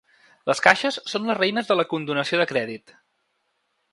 Les caixes són les reines de la condonació de crèdit.